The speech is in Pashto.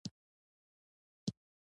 پړانګ د اوږدو پښو له برکته ژر منډه وهي.